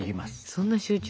そんな集中？